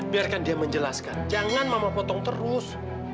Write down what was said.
biarkan dia menjelaskan jangan mama potong terus